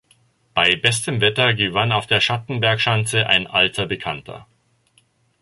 Bei bestem Wetter gewann auf der Schattenbergschanze ein alter Bekannter.